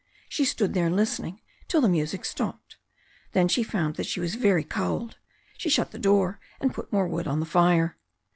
She stood there listening till the music stopped. Then she found that she was very cold. She shut the door and put more wood on the fire.